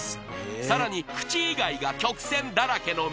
さらに口以外が曲線だらけの